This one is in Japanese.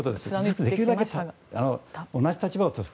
できるだけ同じ立場をとる。